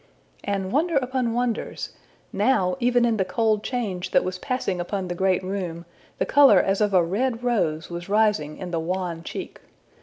And, wonder upon wonders! now, even in the cold change that was passing upon the great room, the color as of a red rose was rising in the wan cheek.